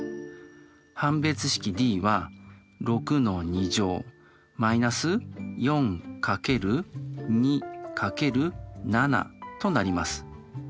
判別式Ｄは６−４×２×７となります。